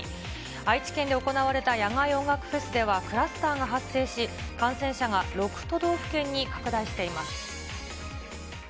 愛知県で行われた野外音楽フェスではクラスターが発生し、感染者が６都道府県に拡大しています。